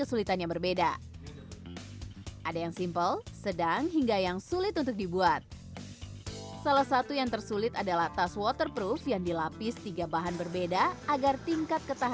udah ketutup udah balik